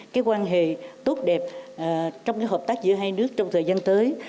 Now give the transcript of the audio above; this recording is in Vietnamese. cái quan hệ tốt đẹp trong hợp tác giữa hai nước trong thời gian tới